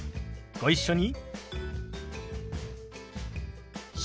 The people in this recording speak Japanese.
ご一緒に。